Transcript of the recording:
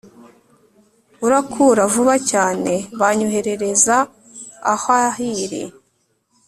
urakura vuba cyane banyoherereza awhirl,